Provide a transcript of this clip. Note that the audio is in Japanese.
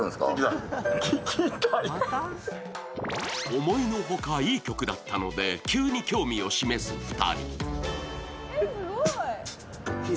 思いのほかいい曲だったので、急に興味を示す２人。